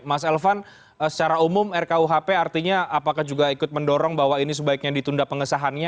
mas elvan secara umum rkuhp artinya apakah juga ikut mendorong bahwa ini sebaiknya ditunda pengesahannya